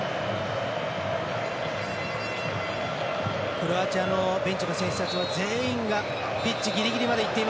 クロアチアのベンチの選手たちは全員がピッチぎりぎりまで。